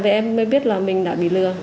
thì em mới biết là mình đã bị lừa